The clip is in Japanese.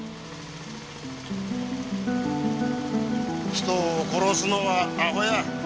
人を殺すのはアホや。